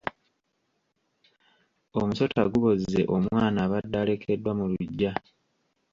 Omusota gubozze omwana abadde alekeddwa mu lugya.